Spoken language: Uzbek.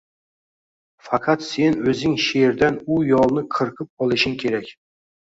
Faqat sen oʻzing sherdan u yolni qirqib olishing kerak.